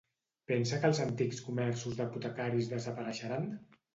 Pensa que els antics comerços d'apotecaris desapareixeran?